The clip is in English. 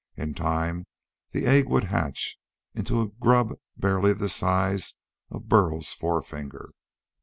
In time the egg would hatch into a grub barely the size of Burl's forefinger.